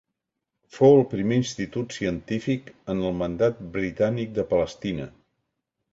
Fou el primer institut científic en el Mandat Britànic de Palestina.